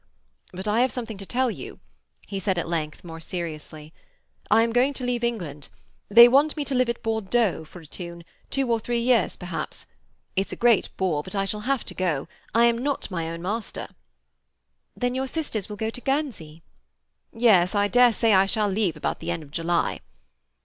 "But I have something to tell you," he said at length more seriously. "I am going to leave England. They want me to live at Bordeaux for a time, two or three years perhaps. It's a great bore, but I shall have to go. I am not my own master." "Then your sisters will go to Guernsey?" "Yes. I dare say I shall leave about the end of July."